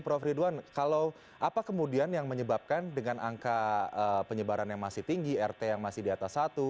prof ridwan kalau apa kemudian yang menyebabkan dengan angka penyebaran yang masih tinggi rt yang masih di atas satu